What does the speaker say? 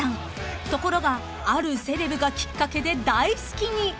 ［ところがあるセレブがきっかけで大好きに］